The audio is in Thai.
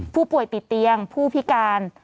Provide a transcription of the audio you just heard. ผู้ป่วยติดเตียงผู้พิการ